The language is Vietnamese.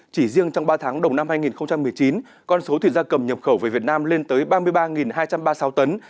chỉ riêng trong ba tháng đầu năm hai nghìn một mươi chín con số thịt da cầm nhập khẩu về việt nam lên tới ba mươi ba hai trăm ba mươi sáu tấn